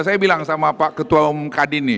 saya bilang sama pak ketua umkd ini